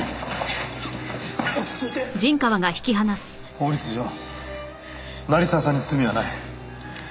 法律上成澤さんに罪はない。